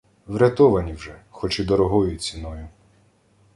Врятовані вже, хоч і дорогою ціною.